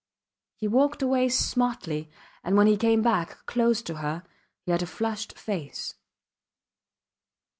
He walked away smartly, and when he came back, close to her, he had a flushed face.